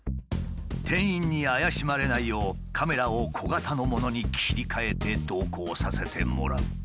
店員に怪しまれないようカメラを小型のものに切り替えて同行させてもらう。